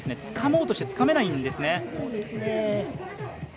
つかもうとしてつかめないんですね。